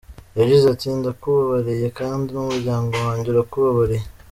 Yagize ati “ Ndakubabariye kandi n’umuryango wanjye urakubabariye.